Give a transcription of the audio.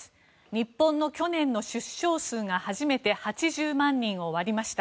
日本の去年の出生数が初めて８０万人を割りました。